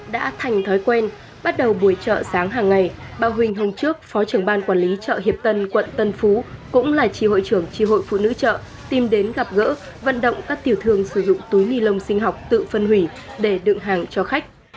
đã thành thói quen bắt đầu buổi chợ sáng hàng ngày bà huỳnh hôm trước phó trưởng ban quản lý chợ hiệp tân quận tân phú cũng là tri hội trưởng tri hội phụ nữ chợ tìm đến gặp gỡ vận động các tiểu thương sử dụng túi ni lông sinh học tự phân hủy để đựng hàng cho khách